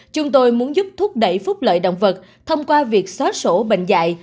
chúng tôi muốn giúp thúc đẩy phúc lợi động vật thông qua việc xóa sổ bệnh dạy